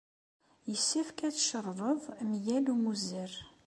Yessefk ad tcerḍed mgal ummuzzer.